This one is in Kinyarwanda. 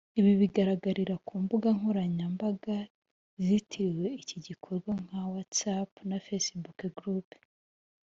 ibi bigaragarira ku mbuga nkoranya mbaga zitiriwe iki gikorwa nka Whatsapp na Facebook group